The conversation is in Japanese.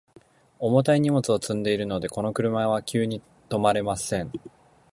重たい荷物を積んでいるので、この車は急に止まれません。